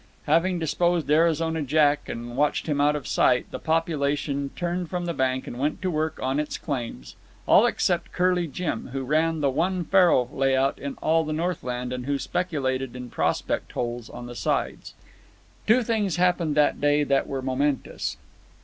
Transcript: Having disposed of Arizona Jack and watched him out of sight, the population turned from the bank and went to work on its claims—all except Curly Jim, who ran the one faro layout in all the Northland and who speculated in prospect holes on the sides. Two things happened that day that were momentous.